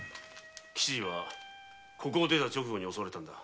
吉次はここを出てすぐ襲われたんだ。